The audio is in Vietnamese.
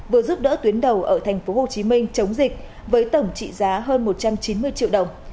vừa giúp đỡ tuyến đầu ở tp hcm chống dịch với tổng trị giá hơn một trăm chín mươi triệu đồng